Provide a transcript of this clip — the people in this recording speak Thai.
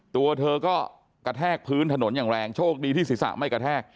ตัวเธอก็กระแทกพื้นถนนอย่างแรงโชคดีที่ศีรษะไม่กระแทก